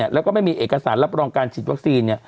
แล้วก็ไม่มีเอกสารรับรองการฉีดวัคซีน